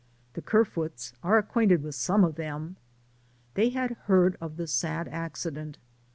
The Kerfoots are ac quainted with some of them. They had heard of the sad accident.